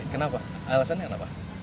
kenapa alasannya kenapa